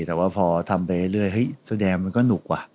แต่ว่าพอทำไปเรื่อยเฮ้ยแสดงมันก็หนุกว่ะ